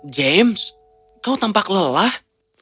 james kau tampak lelah